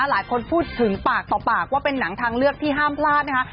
หลายคนพูดถึงปากต่อปากว่าเป็นหนังทางเลือกที่ห้ามพลาดนะคะ